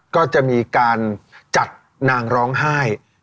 ก็จะมีการจัดนางร้องไห้